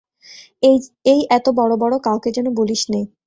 এই এত বড় বড়, কাউকে যেন বলিসনে!